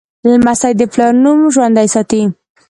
لمسی د پلار نوم ژوندی ساتي.